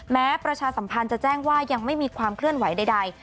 ประชาสัมพันธ์จะแจ้งว่ายังไม่มีความเคลื่อนไหวใด